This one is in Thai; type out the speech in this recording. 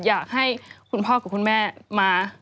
อยากให้คุณพ่อกับคุณแม่มา